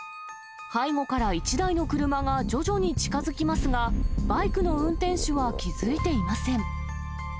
背後から１台の車が徐々に近づきますが、バイクの運転手は気付いていません。